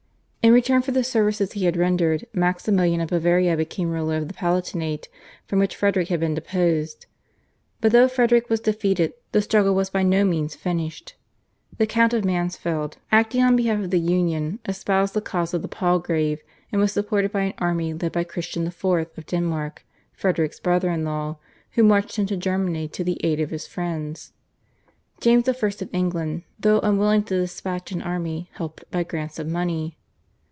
In return for the services he had rendered Maximilian of Bavaria became ruler of the Palatinate, from which Frederick had been deposed. But though Frederick was defeated the struggle was by no means finished. The Count of Mansfeld, acting on behalf of the /Union/, espoused the cause of the Palgrave and was supported by an army led by Christian IV. of Denmark, Frederick's brother in law, who marched into Germany to the aid of his friends. James I. of England, though unwilling to despatch an army, helped by grants of money.